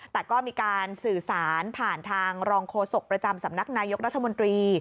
แต่ก็มีการสื่อสารผ่านทางรองโฆษกประจำสำนักนายกรัฐมนตรี